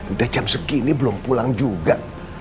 udah jam segini belum pulang juga